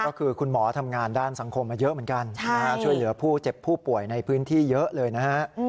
ก็คือคุณหมอทำงานด้านสังคมมาเยอะเหมือนกันช่วยเหลือผู้เจ็บผู้ป่วยในพื้นที่เยอะเลยนะฮะ